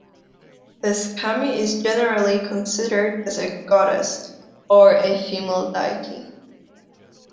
This kami is generally considered as a goddess, or a female deity.